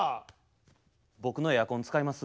僕のエアコン使います？